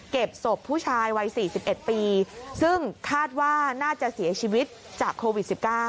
ศพผู้ชายวัย๔๑ปีซึ่งคาดว่าน่าจะเสียชีวิตจากโควิด๑๙